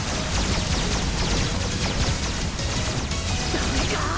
ダメか？